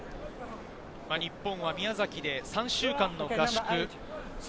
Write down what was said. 日本は宮崎で３週間の合宿。